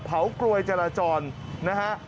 เผาโกรยจรจราจรนะฮะ